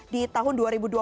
di tahun dua ribu dua puluh